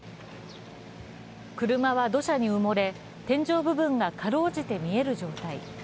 車は土砂に埋もれ、天井部分がかろうじて見える状態。